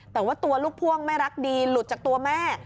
แต่ว่าตัวลูกพ่วงไม่รักดีหลุดจากตัวแม่